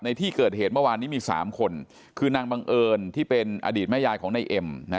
ในที่เกิดเหตุเมื่อวานนี้มี๓คนคือนางบังเอิญที่เป็นอดีตแม่ยายของนายเอ็มนะ